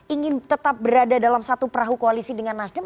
ingin tetap berada dalam satu perahu koalisi dengan nasdem